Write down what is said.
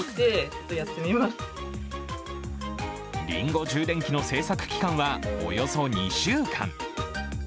りんご充電器の製作期間はおよそ２週間。